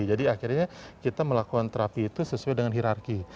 jadi akhirnya kita melakukan terapi itu sesuai dengan hirarki